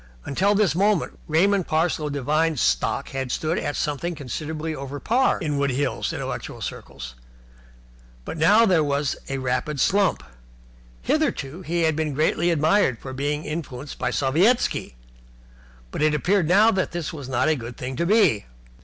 Until this moment Raymond Parsloe Devine's stock had stood at something considerably over par in Wood Hills intellectual circles, but now there was a rapid slump. Hitherto he had been greatly admired for being influenced by Sovietski, but it appeared now that this was not a good thing to be.